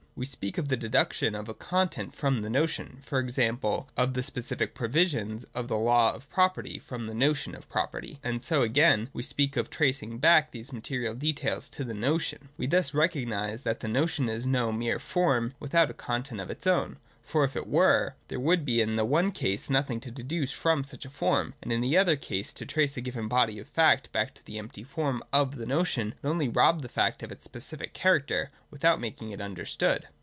We speak of the deduction of a content from the notion, e.g. of the specific provisions of the law of property from the notion of property ; and so again we speak of tracing back these material details to the notion. We thus recognise that the notion is no mere form without a content of its own : for if it were, there would be in the one case nothing to deduce from such a form, and in the other case to trace a given body of fact back to the empty form of the notion would only rob the fact of its specific character, without making it understood.